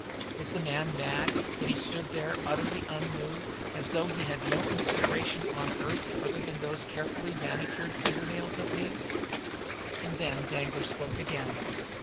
Was the man mad, that he stood there utterly unmoved, as though he had no consideration on earth other than those carefully manicured finger nails of his! And then Danglar spoke again.